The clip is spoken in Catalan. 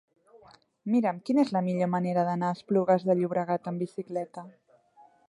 Mira'm quina és la millor manera d'anar a Esplugues de Llobregat amb bicicleta.